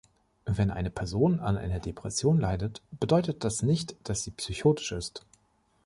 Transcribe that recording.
Wenn eine Person an einer Depression leidet, bedeutet das nicht, dass sie psychotisch ist.